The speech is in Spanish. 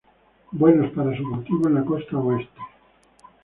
Buenos para su cultivo en la costa oeste.